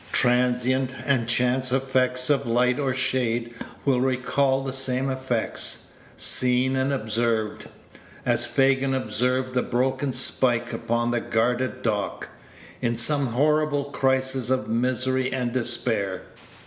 Transient and chance effects of light or shade will recall the same effects, seen and observed as Fagin observed the broken spike upon the guarded dock in some horrible crisis of misery and despair.